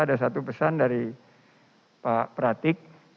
ada satu pesan dari pak pratik